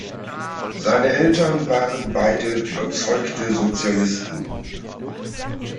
Seine Eltern waren beide überzeugte Sozialisten.